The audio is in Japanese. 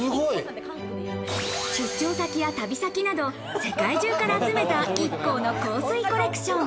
出張先や旅先など世界中から集めたＩＫＫＯの香水コレクション。